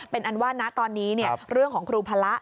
เป็นอันว่านะตอนนี้เรื่องของครูพระ